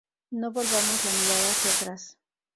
No volvamos la mirada hacia atrás.